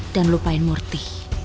dan lupain murti